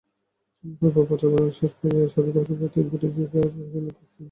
তবে প্রচার-প্রচারণায় শেষ পর্যায়ে এসে অধিকাংশ প্রার্থীই ভোটে জয়-পরাজয় নিয়ে ভাবছেন না।